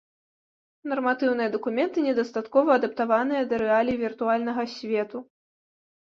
Нарматыўныя дакументы недастаткова адаптаваныя да рэалій віртуальнага свету.